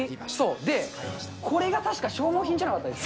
で、これが確か消耗品じゃなかったですか？